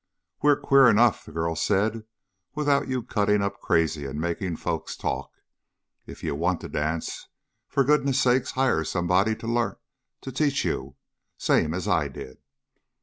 "We're queer enough," the girl said, "without you cutting up crazy and making folks talk. If you want to dance, for goodness' sake hire somebody to lear to teach you, same as I did."